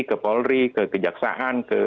ke polri ke kejaksaan ke